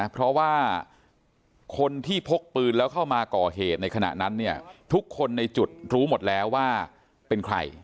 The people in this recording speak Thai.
เพราะว่าคนที่พกปืนแล้วเข้ามาก่อเหตุในขณะนั้นเนี่ยทุกคนในจุดรู้หมดแล้วว่าเป็นใคร